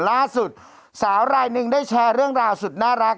ล่าสุดสาวรายหนึ่งได้แชร์เรื่องราวสุดน่ารัก